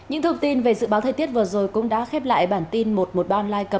các thông tin về dự báo thời tiết vừa rồi cũng đã khép lại bản tin một trăm một mươi ba online